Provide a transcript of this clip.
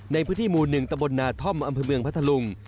ในพื้นที่หมู่๑ตะบลนาท่อมอำเภอเมืองพัทธลุง